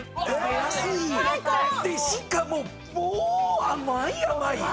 しかももう甘い甘い！